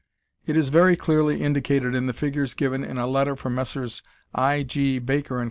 It is very clearly indicated in the figures given in a letter from Messrs. I. G. Baker & Co.